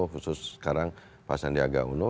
khusus sekarang pak sandiaga uno